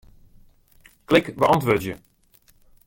Klik Beäntwurdzje.